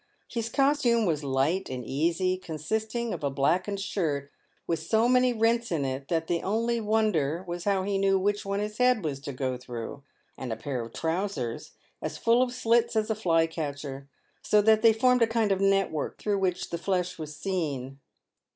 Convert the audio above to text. His costume was light and easy, consisting of a blackened shirt with so many rents in it, that the only wonder was how he knew which one his head was to go through, and a pair of trousers as full of slits as a fly catcher, so that they formed a kind of network, through which the flesh was seen.